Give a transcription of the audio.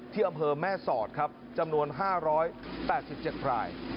อำเภอแม่สอดครับจำนวน๕๘๗ราย